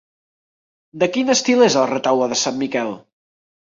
De quin estil és el Retaule de Sant Miquel?